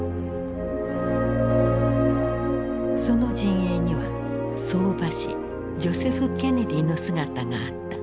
その陣営には相場師ジョセフ・ケネディの姿があった。